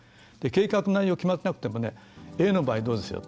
計画内容決まってなくてもＡの場合どうでしょう？